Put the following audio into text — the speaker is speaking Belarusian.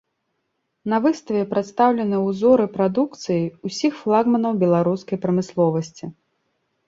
На выставе прадстаўленыя ўзоры прадукцыі ўсіх флагманаў беларускай прамысловасці.